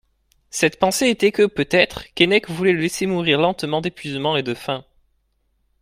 Cette pensée était que, peut-être, Keinec voulait le laisser mourir lentement d'épuisement et de faim.